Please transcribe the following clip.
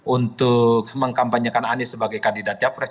untuk mengkampanyekan anies sebagai kandidat capres